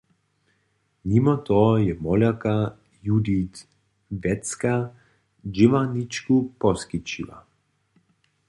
Nimo toho je molerka Judith Wetzka dźěłarničku poskićiła.